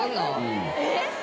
えっ？